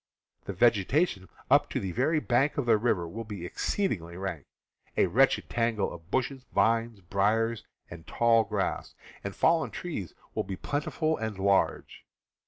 The vegetation up to the very bank of the river will be exceedingly rank, a wretched tangle of bushes, vines, briars, and tall grass, and fallen trees will be plentiful and large.